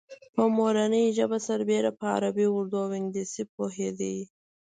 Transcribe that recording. په مورنۍ ژبه سربېره په عربي، اردو او انګلیسي پوهېده.